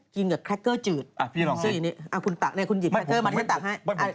กินกับแคคเกอร์จืดลองสินี่คุณตักเนี่ยคุณหยิบแคคเกอร์มาให้ตักให้